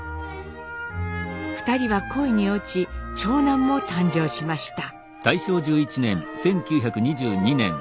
２人は恋に落ち長男も誕生しました。